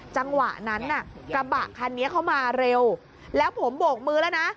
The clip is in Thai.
จังหวะนั้นน่ะกระบะคันนี้เข้ามาเร็วแล้วผมโบกมือแล้วนะ